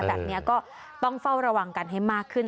แบบนี้ก็ต้องเฝ้าระวังกันให้มากขึ้น